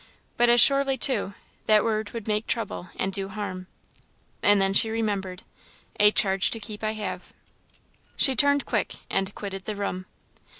But as surely, too, that word would make trouble and do harm. And then she remembered, "A charge to keep I have!" She turned quick, and quitted the room.